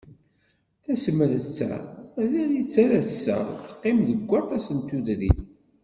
Tasemrest-a, mazal-itt ar ass-a teqqim deg waṭas n tudrin.